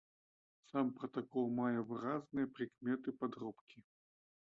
Сам пратакол мае выразныя прыкметы падробкі.